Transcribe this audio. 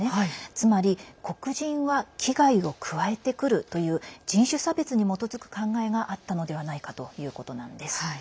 つまり、黒人は危害を加えてくるという人種差別に基づく考えがあったのではないかということなんです。